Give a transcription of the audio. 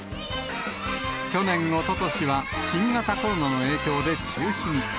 去年、おととしは新型コロナの影響で中止に。